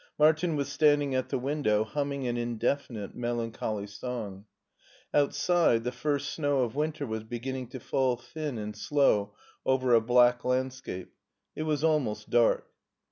Martin was standing at the window humming an indefinite melancholy song. Outside, the first snow of winter was beginning to fall thin and slow over a black landscape. It was almost dark.